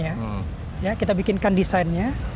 yang kita bikin desain nya